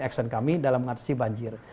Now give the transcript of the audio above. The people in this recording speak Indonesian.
action kami dalam mengatasi banjir